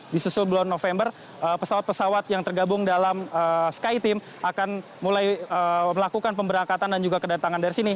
di susul bulan november pesawat pesawat yang tergabung dalam sky team akan mulai melakukan pemberangkatan dan juga kedatangan dari sini